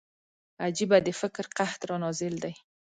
عجيبه د فکر قحط را نازل دی